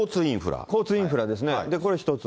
交通インフラですね、これ一つ。